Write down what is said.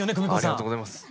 ありがとうございます。